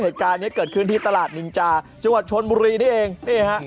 เหตุการณ์นี้เกิดขึ้นที่ตลาดนินจาจังหวัดชนบุรีนี่เองนี่ฮะ